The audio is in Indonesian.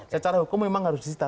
secara hukum memang harus disita